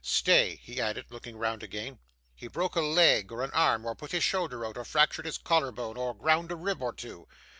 Stay,' he added, looking round again. 'He broke a leg or an arm, or put his shoulder out, or fractured his collar bone, or ground a rib or two?